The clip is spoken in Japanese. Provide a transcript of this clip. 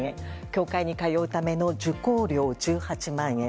教会に通うための受講料１８万円。